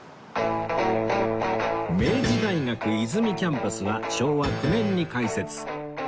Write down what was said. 明治大学和泉キャンパスは昭和９年に開設